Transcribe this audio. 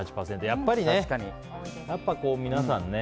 やっぱ皆さんね。